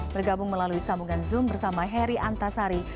bergabung melalui sambungan zoom bersama heri antasari